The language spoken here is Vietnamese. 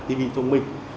tv thông minh